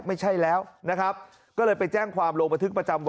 แต่เชื่อถือตรวจสอบได้หมดนะนี่เลยน่ากลัว